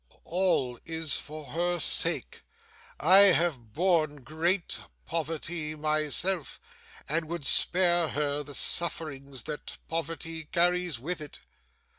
All is for her sake. I have borne great poverty myself, and would spare her the sufferings that poverty carries with it.